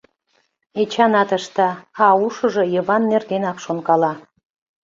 Эчанат ышта, а ушыжо Йыван нергенак шонкала.